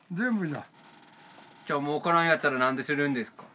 じゃあもうからんやったら何でするんですか？